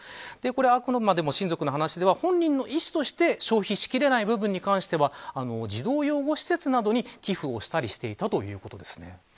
あくまでも親族の話では本人の意思として消費し切れないものに関しては児童養護施設などに寄付をしていたりしたということです。